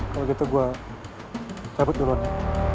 kalo gitu gua cabut dulu aja